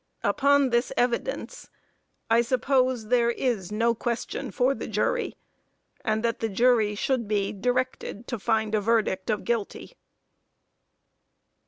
Upon this evidence I suppose there is no question for the jury and that the jury should be directed to find a verdict of guilty.